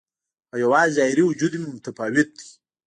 او یوازې ظاهري وجود مې متفاوت دی